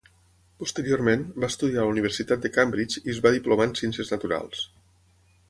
Posteriorment, va estudiar a la Universitat de Cambridge i es va diplomar en ciències naturals.